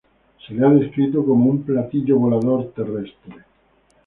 Se le ha descrito como "un platillo volador terrestre".